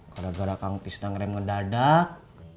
gara gara kang fisna ngeram ngedadak